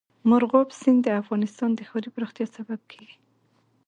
مورغاب سیند د افغانستان د ښاري پراختیا سبب کېږي.